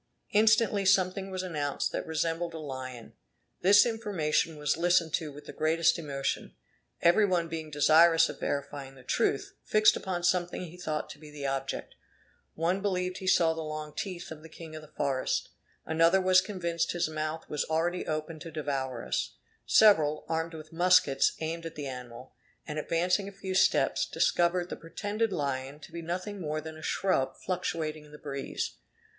Instantly something was announced that resembled a lion. This information was listened to with the greatest emotion. Every one being desirous of verifying the truth, fixed upon something he thought to be the object: one believed he saw the long teeth of the king of the forest; another was convinced his mouth was already open to devour us: several, armed with muskets, aimed at the animal, and advancing a few steps, discovered the pretended lion to be nothing more than a shrub fluctuating in the breeze.